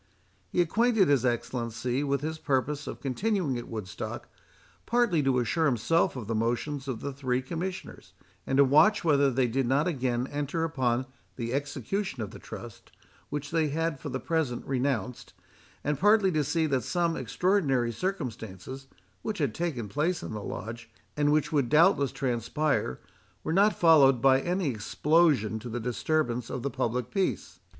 He acquainted his Excellency with his purpose of continuing at Woodstock, partly to assure himself of the motions of the three Commissioners, and to watch whether they did not again enter upon the execution of the trust, which they had for the present renounced,—and partly to see that some extraordinary circumstances, which had taken place in the Lodge, and which would doubtless transpire, were not followed by any explosion to the disturbance of the public peace.